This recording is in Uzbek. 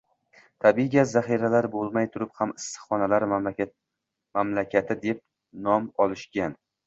tabiiy gaz zaxiralari bo‘lmay turib ham issiqxonalar mamlakati deb nom olishgan.